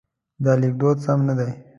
دا لیکدود سم نه دی.